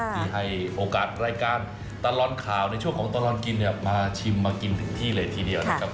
ที่ให้โอกาสรายการตลอดข่าวในช่วงของตลอดกินเนี่ยมาชิมมากินถึงที่เลยทีเดียวนะครับ